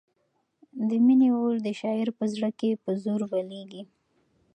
د مینې اور د شاعر په زړه کې په زور بلېږي.